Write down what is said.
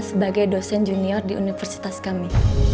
sebagai dosen junior di universitas kami